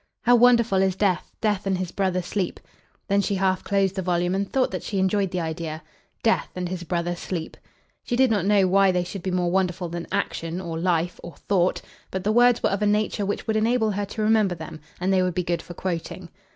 "How wonderful is Death! Death and his brother, Sleep!" Then she half closed the volume, and thought that she enjoyed the idea. Death, and his brother Sleep! She did not know why they should be more wonderful than Action, or Life, or Thought; but the words were of a nature which would enable her to remember them, and they would be good for quoting.